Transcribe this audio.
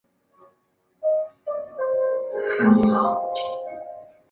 皮奥里亚在探索时代是欧洲殖民者在伊利诺伊地区最大的定居点。